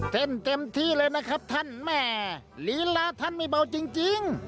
เต้นเต็มที่เลยนะครับท่านแม่ฬีลาท่านมีเบาจริงจริง